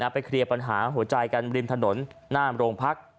เคลียร์ปัญหาหัวใจกันริมถนนหน้าโรงพัก